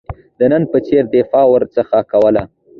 د نن په څېر دفاع ورڅخه کوله.